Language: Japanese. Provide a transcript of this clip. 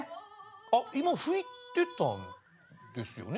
あ今吹いてたんですよね？